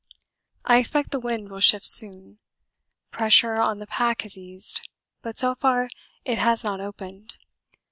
I expect the wind will shift soon; pressure on the pack has eased, but so far it has not opened.